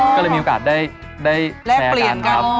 ก็เลยมีโอกาสได้แชร์กันครับ